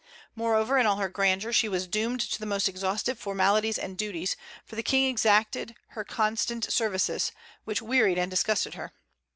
Moreover, in all her grandeur she was doomed to the most exhaustive formalities and duties; for the King exacted her constant services, which wearied and disgusted her.